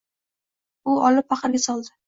U olib, paqirga soldi.